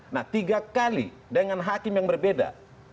nah tiga kali dengan hakim yang berbeda